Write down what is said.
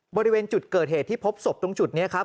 บริเวณจุดเกิดเหตุที่พบศพตรงจุดนี้ครับ